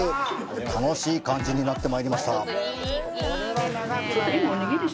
楽しい感じになってまいりました！